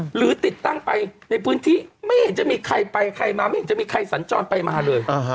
หรือติดตั้งไปในพื้นที่ไม่เห็นจะมีใครไปใครมาไม่เห็นจะมีใครสัญจรไปมาเลย